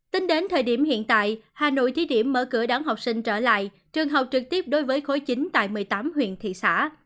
tính đến thời điểm hiện tại hà nội thí điểm mở cửa đón học sinh trở lại trường học trực tiếp đối với khối chín tại một mươi tám huyện thị xã